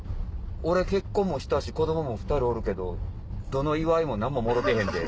「俺結婚もしたし子供も２人おるけどどの祝いも何ももろうてへんで」。